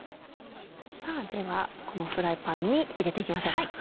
さぁではこのフライパンに入れていきましょうか。